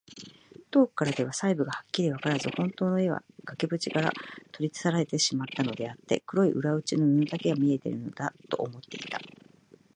遠くからでは細部がはっきりわからず、ほんとうの絵は額ぶちから取り去られてしまったのであって、黒い裏打ちの布だけが見えているのだ、と思っていた。